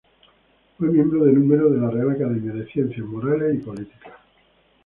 Fue miembro de número de la Real Academia de Ciencias Morales y Políticas.